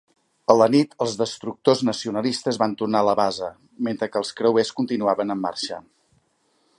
A la nit, els destructors nacionalistes van tornar a la base, mentre que els creuers continuaven en marxa.